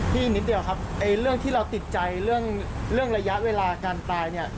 นิดเดียวครับเรื่องที่เราติดใจเรื่องระยะเวลาการตายเนี่ย